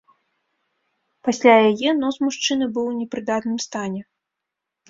Пасля яе нос мужчыны быў у непрыдатным стане.